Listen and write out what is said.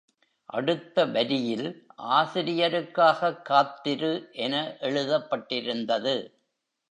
அடுத்த வரியில், ஆசிரியருக்காகக் காத்திரு என எழுதப்பட்டிருந்தது.